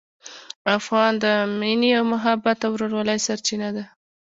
افغان د مینې، محبت او ورورولۍ سرچینه ده.